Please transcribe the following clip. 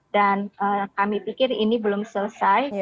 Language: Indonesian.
dan kami pikir ini belum selesai